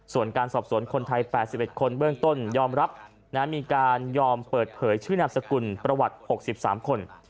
ส่วนการสอบสวนคนไทย๘๑คนเบื้องต้นยอมรับมีการยอมเปิดเผยชื่อนามสกุลประวัติ๖๓คน